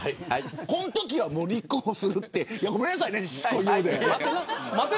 このときは立候補するってごめんなさい、しつこくて。